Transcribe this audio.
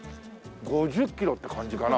５０キロって感じかな？